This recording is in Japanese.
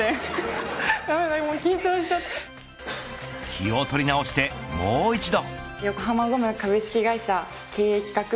気を取り直して、もう一度。